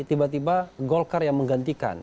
tiba tiba golkar yang menggantikan